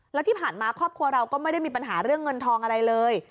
แล้วที่ผ่านมาครอบครัวเราก็ไม่ได้มีปัญหาเรื่องเงินทองอะไรเลย